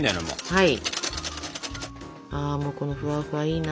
はい。